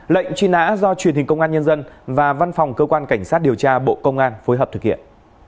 lệnh truy nã do truyền hình công an nhân dân và văn phòng cơ quan cảnh sát điều tra bộ công an phối hợp thực hiện